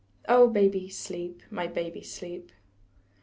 Oh, baby, sleep, my baby, sleep.